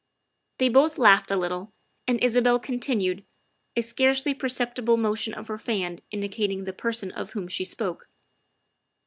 They both laughed a little, and Isabel continued, a scarcely perceptible motion of her fan indicating the person of whom she spoke.